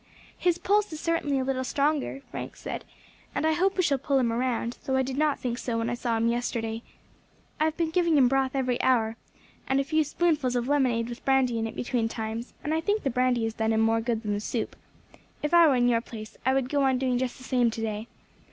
"His pulse is certainly a little stronger," Frank said, "and I hope we shall pull him round, though I did not think so when I saw him yesterday. I have been giving him broth every hour, and a few spoonfuls of lemonade with brandy in it between times, and I think the brandy has done him more good than the soup; if I were in your place, I would go on doing just the same to day.